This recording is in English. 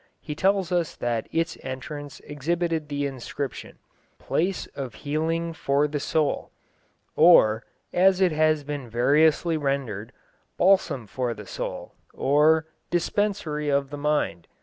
He tells us that its entrance exhibited the inscription: "Place of Healing for the Soul," or, as it has been variously rendered, "Balsam for the Soul," or, "Dispensary of the Mind."